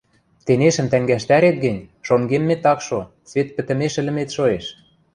тенешӹм тӓнгӓштӓрет гӹнь, шонгеммет ак шо, свет пӹтӹмеш ӹлӹмет шоэш!..